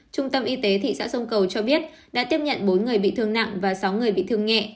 trung tâm y tế thị xã sông cầu cho biết đã tiếp nhận bốn người bị thương nặng và sáu người bị thương nhẹ